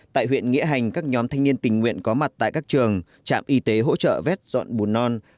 tại huyện nghĩa hành các nhóm thanh niên tình nguyện có mặt tại các trường trạm y tế hỗ trợ vét dọn bùn non